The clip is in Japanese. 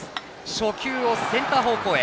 初球をセンター方向へ。